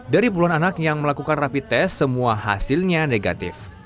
dari puluhan anak yang melakukan rapi tes semua hasilnya negatif